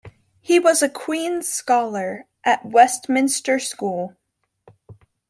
He was a Queen's scholar at Westminster School.